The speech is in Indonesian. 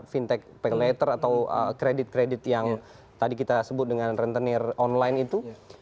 fintech pay later atau kredit kredit yang tadi kita sebut dengan rentenir online itu